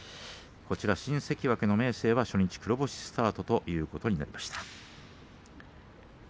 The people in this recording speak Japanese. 新関脇の明生は初日黒星スタートということになりました。